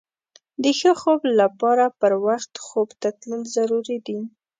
د ښه خوب لپاره پر وخت خوب ته تلل ضروري دي.